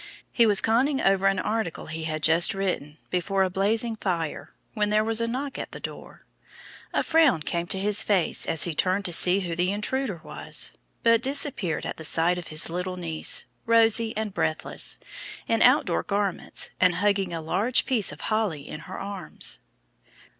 He was conning over an article he had just written, before a blazing fire, when there was a knock at the door. A frown came to his face as he turned to see who the intruder was, but disappeared at the sight of his little niece, rosy and breathless, in out door garments, and hugging a large piece of holly in her arms.